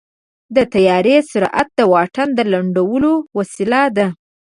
د طیارې سرعت د واټن د لنډولو وسیله ده.